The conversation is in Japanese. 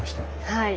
はい。